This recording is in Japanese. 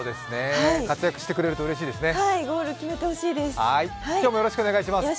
活躍してくれるとうれしいですね。